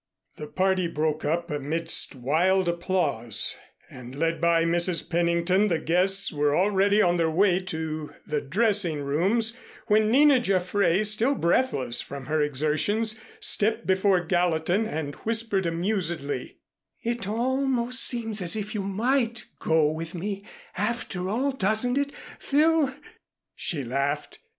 The party broke up amidst wild applause and led by Mrs. Pennington the guests were already on their way to the dressing rooms, when Nina Jaffray, still breathless from her exertions stepped before Gallatin and whispered amusedly: "It almost seems as if you might go with me after all, doesn't it, Phil?" she laughed.